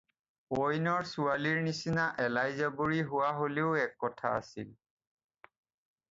অইনৰ ছোৱালীৰ নিচিনা আলাইজাবৰী হোৱা হ'লেও এক কথা আছিল।